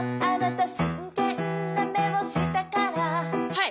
はい。